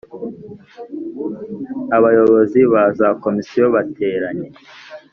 Abayobozi ba za Komisiyo bateranye